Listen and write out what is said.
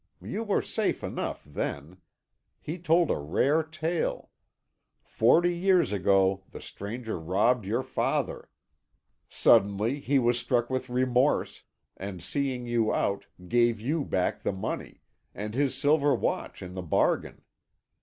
You were safe enough, then. He told a rare tale. Forty years ago the stranger robbed your father; suddenly he was struck with remorse, and seeking you out, gave you back the money, and his silver watch in the bargain.